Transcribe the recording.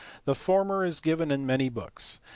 The former is given in many books.